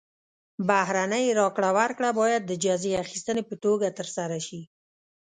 بهرنۍ راکړه ورکړه باید د جزیې اخیستنې په توګه ترسره شي.